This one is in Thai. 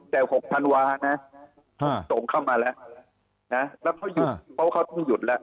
แต่๖๐๐๐วานะส่งเข้ามาแล้วแล้วเขาต้องหยุดแล้ว